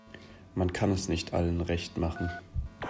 Man kann es nicht allen recht machen.